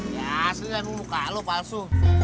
ya asli kan muka lo palsu